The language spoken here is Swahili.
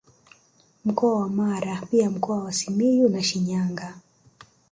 Mkoa wa Mara pia Mkoa wa Simiyu na Shinyanga